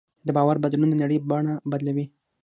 د باور بدلون د نړۍ بڼه بدلوي.